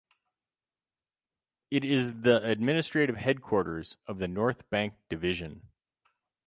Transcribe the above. It is the Administrative headquarters of the North Bank Division.